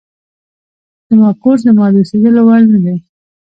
زما کور زما د اوسېدلو وړ نه دی.